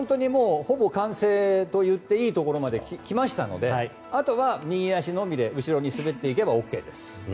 ほぼ完成と言っていいところまで来ましたのであとは右足のみで後ろに滑っていけばＯＫです。